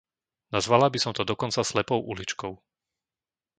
Nazvala by som to dokonca slepou uličkou.